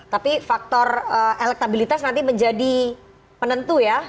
tapi faktor elektabilitas nanti menjadi penentu ya